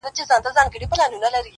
بدل کړيدی~